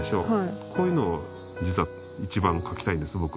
こういうのを実は一番描きたいんです僕。